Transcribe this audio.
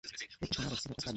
এতে তোমার অস্থিরতা কাটবে।